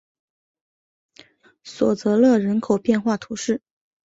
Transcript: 索泽勒人口变化图示